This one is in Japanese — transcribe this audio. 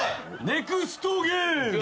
ネクストゲーム！